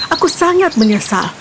aku sangat menyesal